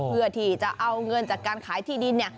เพื่อที่จะเอาเงินจากการขายที่ดินเนี่ย